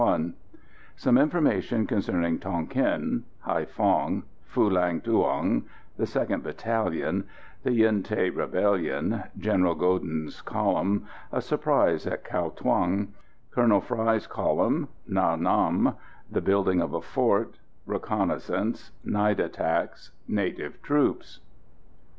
CHAPTER III Some information concerning Tonquin Haïphong Phulang Thuong The 2nd Battalion The Yen Thé Rebellion General Godin's column A surprise at Cao Thuong Colonel Frey's column Nha Nam The building of a fort Reconnaissance Night attacks Native troops.